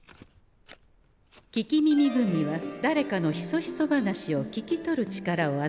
「聞き耳グミ」はだれかのひそひそ話を聞き取る力をあたえる駄菓子。